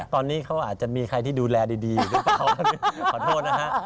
ตอนนี้เขาอาจจะมีใครที่ดูแลดีอยู่หรือเปล่า